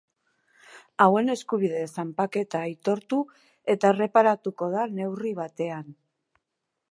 Hauen eskubide zanpaketa aitortu eta erreparatuko da neurri batean.